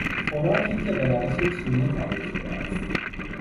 خوراکی که به روش چینی تهیه شده است